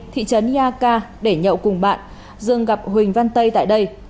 thị trấn ia ca để nhậu cùng bạn dương gặp huỳnh văn tây tại đây